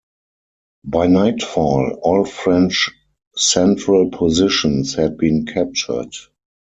By nightfall, all French central positions had been captured.